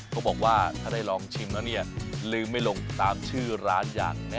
ผมบอกว่าถ้าได้ลองชิมแล้วเนี่ยลืมไม่หลงตามชื่อร้านยาลืมฉันครับ